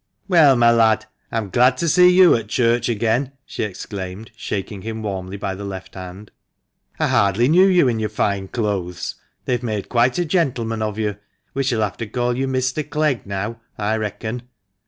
" Well, my lad, I'm glad to see you at church again !" she exclaimed, shaking him warmly by the left hand. " I hardly knew you in your fine clothes. They've made quite a gentleman of you. We shall have to call you Mr. Clegg now, I reckon."